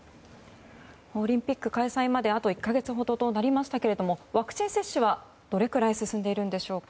オリンピック開催まであと１か月ほどとなりましたがワクチン接種は、どれくらい進んでいるんでしょうか。